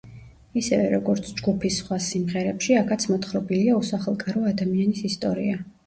ისევე, როგორც ჯგუფის სხვა სიმღერებში, აქაც მოთხრობილია უსახლკარო ადამიანის ისტორია.